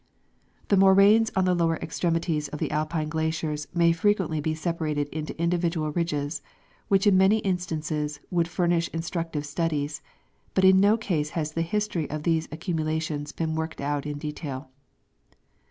The moraines on the lower extremities of the Alpine glaciers may frequently be separated into individual ridges, which in many instances would furnish instructive studies ; but in no case has the history of these accumulations been worked out in detail.